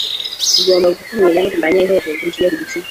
tugomba gukumira no kurwanya ihohoterwa rishingiye ku gitsina.